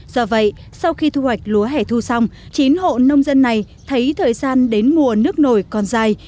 do vậy sau khi thu hoạch lúa hẻ thu xong chín hộ nông dân này thấy thời gian đến mùa nước nổi còn dài